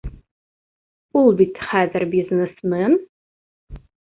Ул бит хәҙер бизнесмен.